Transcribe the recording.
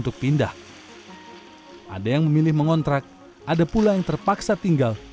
kini hanya sedikit yang tersisa